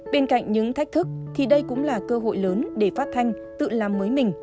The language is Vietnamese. bên cạnh những thách thức thì đây cũng là cơ hội lớn để phát thanh tự làm mới mình